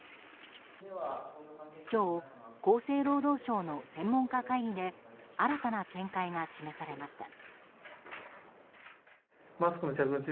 今日、厚生労働省の専門家会議で新たな見解が示されました。